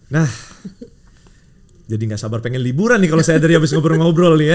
nah jadi gak sabar pengen liburan nih kalau saya dari abis ngobrol ngobrol nih ya